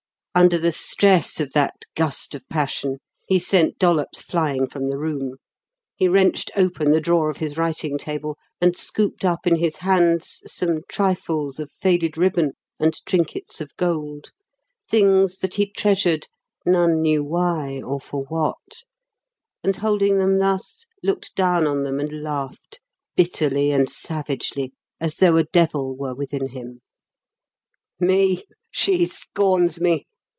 Under the stress of that gust of passion, he sent Dollops flying from the room. He wrenched open the drawer of his writing table, and scooped up in his hands some trifles of faded ribbon and trinkets of gold things that he treasured, none knew why or for what and holding them thus, looked down on them and laughed, bitterly and savagely, as though a devil were within him. "Me! She scorns me!"